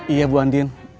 iya bu andien